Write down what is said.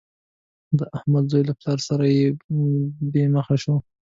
د احمد زوی له پلار سره بې مخه شو.